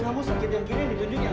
kamu sakit yang kini ditunjukkan